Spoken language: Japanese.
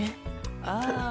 ああ。